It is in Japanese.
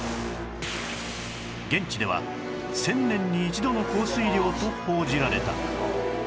現地では１０００年に一度の降水量と報じられた